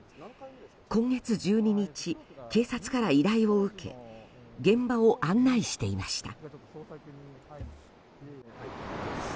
今月１２日、警察から依頼を受け現場を案内していました。